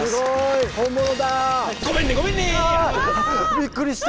びっくりした。